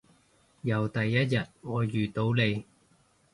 由第一日我遇到你